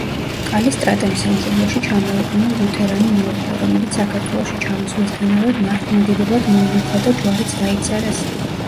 კალისტრატემ სამშობლოში ჩამოიყვანა ლუთერანი მეუღლე, რომელიც საქართველოში ჩამოსვლისთანავე მართლმადიდებლად მოინათლა და ჯვარიც დაიწერეს.